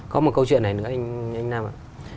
có một câu chuyện này nữa anh nam ạ